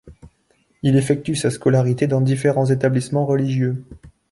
Il effectue sa scolarité dans différents établissements religieux.